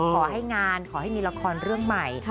ขอให้งานขอให้มีละครเรื่องใหม่